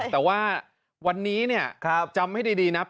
แต่ว่าวันนี้เนี่ยจำให้ดีนะ